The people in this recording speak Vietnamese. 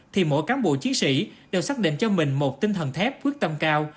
thì mỗi cán bộ chiến sĩ đều xác định cho mình một tinh thần thép quyết tâm cao